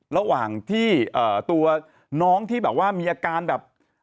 ระหว่างที่ตัวน้องที่แบบว่ามีอาการแบบ